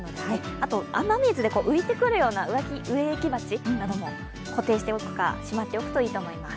あと雨水で浮いてくるような植木鉢なども固定しておくかしまっておくといいと思います。